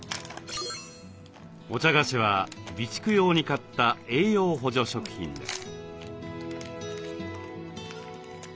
お茶菓子は備蓄用に買った栄養補助食品です。